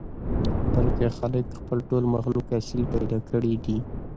بلکې خالق خپل ټول مخلوق اصيل پيدا کړي دي.